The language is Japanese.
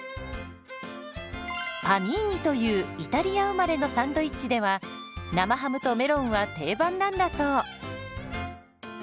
「パニーニ」というイタリア生まれのサンドイッチでは生ハムとメロンは定番なんだそう。